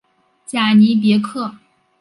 贾尼别克。